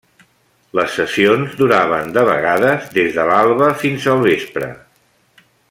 Les sessions duraven de vegades des de l'alba fins al vespre.